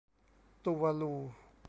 ตูวาลู